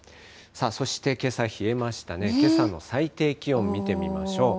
そしてけさ冷えましたね、けさの最低気温見てみましょう。